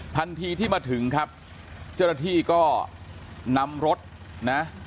ทันทีที่มาถึงครับเจ้าหน้าที่ก็นำรถนะ